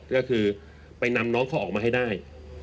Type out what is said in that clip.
ก็คือไปนำน้องเขาออกมาให้ได้